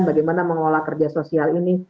bagaimana mengelola kerja sosial ini